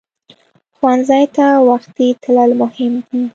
ښوونځی ته وختي تلل مهم دي